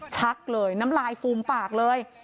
ชักเลยน้ำลายฟูมปากเลย